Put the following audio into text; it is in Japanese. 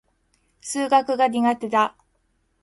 数学が苦手だ。